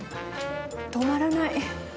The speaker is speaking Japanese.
止まらない。